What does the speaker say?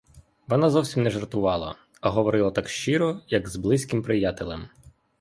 Вона зовсім не жартувала, а говорила так щиро, як з близьким приятелем.